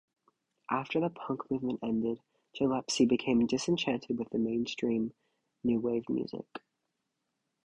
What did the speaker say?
After the punk movement ended, Gillespie became disenchanted with mainstream new wave music.